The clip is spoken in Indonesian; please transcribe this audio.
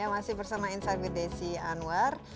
masih bersama insight with desi anwar